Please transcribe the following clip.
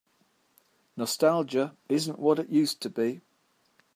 Nostalgia isn't what it used to be.